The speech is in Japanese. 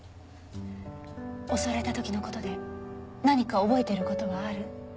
襲われた時の事で何か覚えてる事はある？